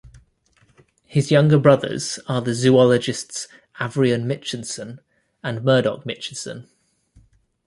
His younger brothers are the zoologists Avrion Mitchison and Murdoch Mitchison.